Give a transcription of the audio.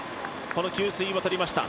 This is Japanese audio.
この給水をとりました